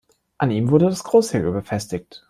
An ihm wurde das Großsegel befestigt.